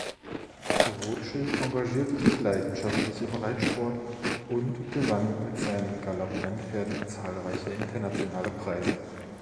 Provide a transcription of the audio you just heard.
Rothschild engagierte sich leidenschaftlich im Reitsport und gewann mit seinen Galopp-Rennpferden zahlreiche internationale Preise.